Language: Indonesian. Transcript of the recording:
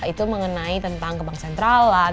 itu mengenai tentang kebang sentralan